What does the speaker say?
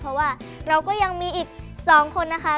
เพราะว่าเราก็ยังมีอีก๒คนนะคะ